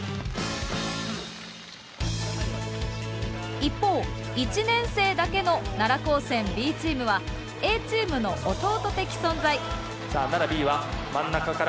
一方１年生だけの奈良高専ＢチームはＡチームの弟的存在。さあ奈良Ｂは真ん中から。